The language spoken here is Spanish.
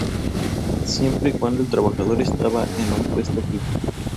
Siempre y cuando el trabajador estaba en un puesto fijo.